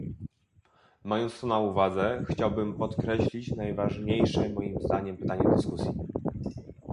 Mając to na uwadze, chciałbym podkreślić najważniejsze moim zdaniem pytanie dyskusji